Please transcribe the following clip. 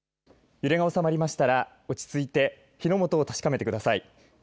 揺れが収まりましたら、落ち着いて火の元を確かめてください。